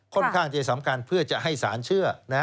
ค่อนข้างจะสำคัญเพื่อจะให้สารเชื่อ